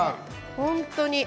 本当に。